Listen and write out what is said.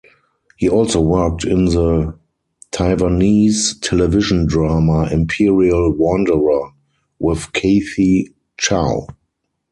He also worked in the Taiwanese television drama "Imperial Wanderer" with Kathy Chow.